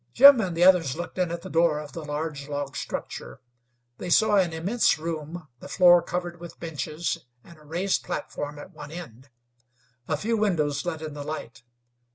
Jim and the others looked in at the door of the large log structure. They saw an immense room, the floor covered with benches, and a raised platform at one end. A few windows let in the light.